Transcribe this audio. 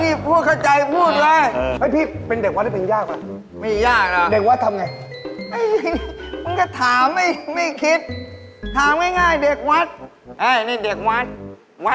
เมื่อเช้าทำไมขนลุกเรื่องไรวะ